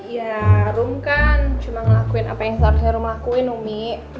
ya rumi kan cuma ngelakuin apa yang selalu saya rumi lakuin rumi